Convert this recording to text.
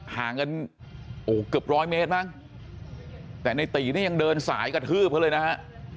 ห่างกันโอ้เกือบร้อยเมตรมั้งแต่ในตีนี่ยังเดินสายกระทืบเขาเลยนะฮะ